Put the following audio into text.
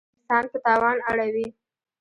انسان په تاوان اړوي.